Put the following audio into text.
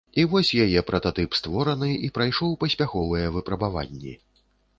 І вось яе прататып створаны і прайшоў паспяховыя выпрабаванні.